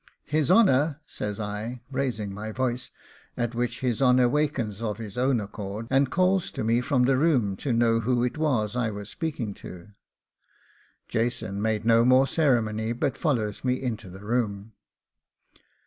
His honour,' says I, raising my voice, at which his honour wakens of his own accord, and calls to me from the room to know who it was I was speaking to. Jason made no more ceremony, but follows me into the room.